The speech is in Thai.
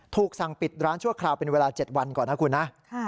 สั่งปิดร้านชั่วคราวเป็นเวลา๗วันก่อนนะคุณนะ